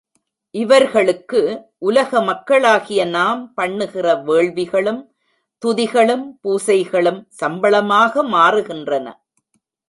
இவர்களுக்கு உலக மக்களாகிய நாம் பண்ணுகிற வேள்விகளும், துதிகளும், பூசைகளும் சம்பளமாக மாறுகின்றன.